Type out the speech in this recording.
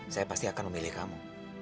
saya pasti akan memilih kamu